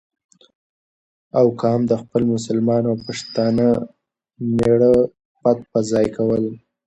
او کام او د خپل مسلمان او پښتانه مېـړه پت په ځای کول،